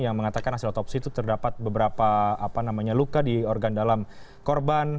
yang mengatakan hasil otopsi itu terdapat beberapa luka di organ dalam korban